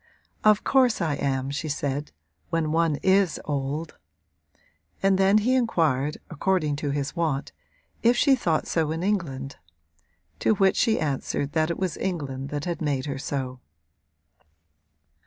'Of course I am,' she said; 'when one is old!' And then he inquired, according to his wont, if she were thought so in England; to which she answered that it was England that had made her so.